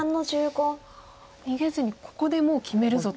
逃げずにここでもう決めるぞと。